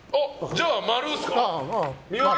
じゃあ○っすか。